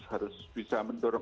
harus bisa mendorong